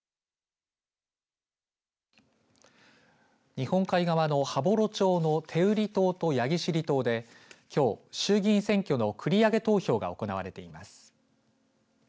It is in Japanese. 日本海側の羽幌町の天売島と焼尻島できょう衆議院選挙の繰り上げ投票が行われています。